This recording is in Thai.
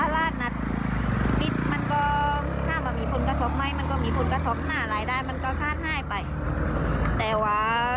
ไว้มันก็มีผลกระทบน่าหลายด้านมันก็คลื่นห้ายไปแต่ว่า